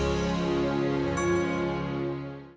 ya ini udah gawat